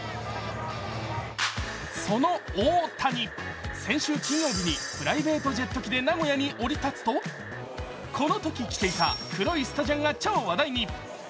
その大谷、先週金曜日にプライベートジェット機で名古屋に降り立つとこのとき着ていた黒いスタジャンが超話題に。